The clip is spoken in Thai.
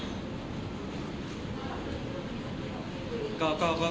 มีคุยกันทั้งทั่วสับครับ